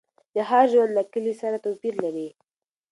د ښار ژوند له کلي سره توپیر لري.